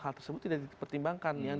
hal tersebut tidak dipertimbangkan